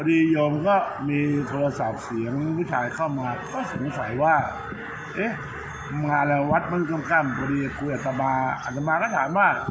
ถ้าไม่รู้คุณก็ไม่คุยกับพระข้างเนอะ